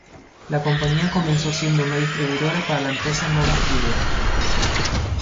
La compañía comenzó siendo una distribuidora para la empresa Nova Studios.